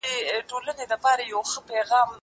زه به سړو ته خواړه ورکړي وي.